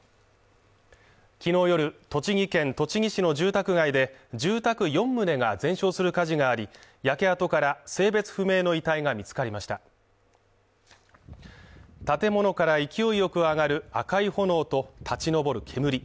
昨日夜栃木県栃木市の住宅街で住宅四棟が全焼する火事があり焼け跡から性別不明の遺体が見つかりました建物から勢いよく上がる赤い炎と立ち上る煙